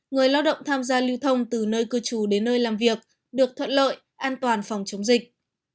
người lao động tham gia lưu thông từ nơi cư trú đến nơi làm việc được thuận lợi an toàn phòng chống dịch